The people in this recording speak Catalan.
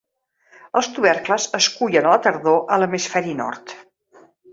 Els tubercles es cullen a la tardor a l'hemisferi nord.